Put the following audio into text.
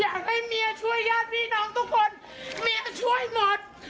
อยากให้เมียช่วยญาติพี่น้องทุกคนเมียช่วยหมด